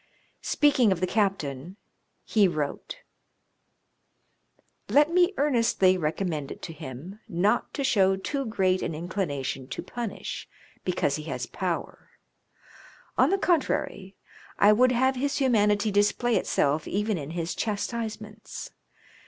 Speaking of the captain, he wrote :" Let me earnestly recommend it to him, not to show too great an inclina tion to punish, because he has power ; on the contrary, I would have his humanity display itself even in his chastisements.